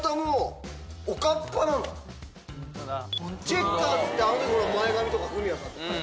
チェッカーズってあの時前髪とかフミヤさんとか。